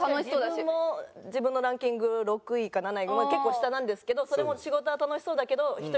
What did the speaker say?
自分も自分のランキング６位か７位結構下なんですけどそれも仕事は楽しそうだけど。